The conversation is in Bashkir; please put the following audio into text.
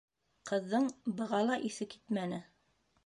Ҡыҙҙың быға ла иҫе китмәне.